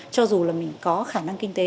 cho dù là mình có khả năng kinh tế